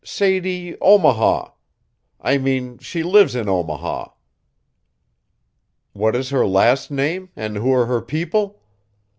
Sadie Omaha I mean she lives in Omaha. What is her last name and who are her people?